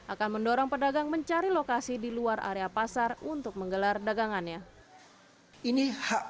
akan mendorong pedagang mencari lokasi di luar area pasar untuk menggelar dagangannya ini